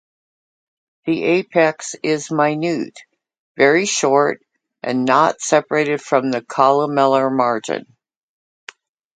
The apex is minute, very short and not separated from the columellar margin.